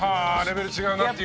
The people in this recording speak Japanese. レベル違うなっていう？